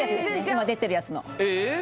今出てるやつのええっ！？